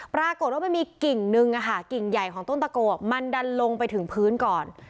ปรากฏว่ามันมีกิ่งนึงกิ่งใหญ่ของต้นตะโกมันดันลงไปถึงพื้นก่อน